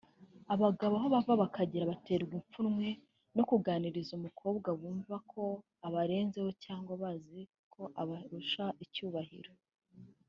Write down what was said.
Abagabo aho bava bakagera baterwa ipfunwe no kuganiriza umukobwa bumva ko abarenzeho cyangwa bazi ko abarusha icyubahiro